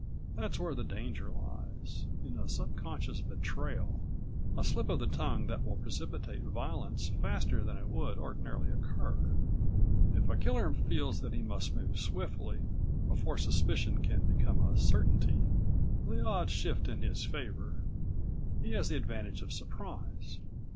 That's where the danger lies, in a subconscious betrayal, a slip of the tongue that will precipitate violence faster than it would ordinarily occur. If a killer feels that he must move swiftly, before suspicion can become a certainty, the odds shift in his favor. He has the advantage of surprise.